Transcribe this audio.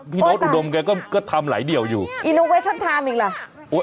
พี่โน้ตอุดมแกก็ก็ทำไหลเดี่ยวอยู่อีโนเวชั่นทามอีกหรอโอ้ย